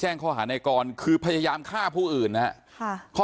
ข้อหาในกรคือพยายามฆ่าผู้อื่นนะครับ